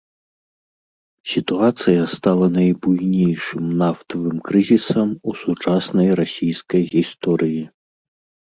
Сітуацыя стала найбуйнейшым нафтавым крызісам у сучаснай расійскай гісторыі.